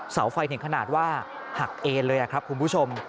เสาไฟถึงขนาดว่าหักเอ็นเลยครับคุณผู้ชม